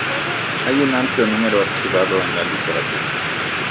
Hay un amplio número archivado en la literatura.